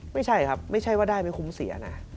ไม่ใช่ครับไม่ใช่ว่าได้ไม่คุ้มเสียนะ